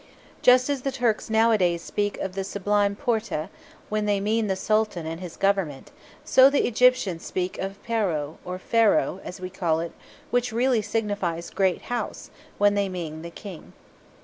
Just as the Turks nowadays speak of the "Sublime Porte," when they mean the Sultan and his Government, so the Egyptians speak of "Per o," or Pharaoh, as we call it, which really signifies "Great House," when they mean the King.